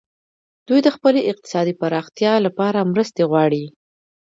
دوی د خپلې اقتصادي پراختیا لپاره مرستې غواړي